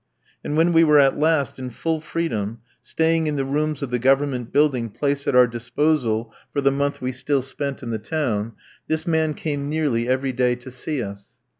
And when we were at last in full freedom, staying in the rooms of the Government building placed at our disposal for the month we still spent in the town, this man came nearly every day to see us.